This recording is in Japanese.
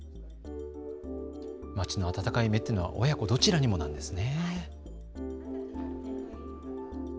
まちの温かい目というのは親子どちらにもなんですね。